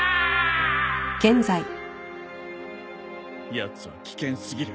やつは危険すぎる。